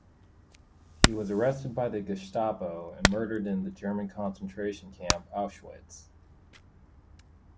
He was arrested by the Gestapo and murdered in the German concentration camp Auschwitz.